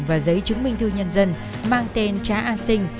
và giấy chứng minh thư nhân dân mang tên trá a sinh